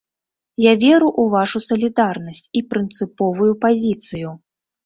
Я веру ў вашу салідарнасць і прынцыповую пазіцыю.